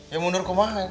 ya mundur kemana